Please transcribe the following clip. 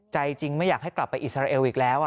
ใจจริงไม่อยากให้กลับไปอิสราเอลอีกแล้ว